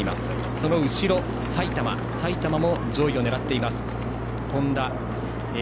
その後ろ、埼玉も上位を狙っています。